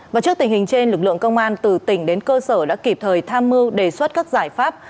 và trước tình hình trên lực lượng công an từ tỉnh đến cơ sở đã kịp thời tham mưu đề xuất các giải pháp